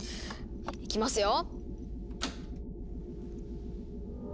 いきますよ！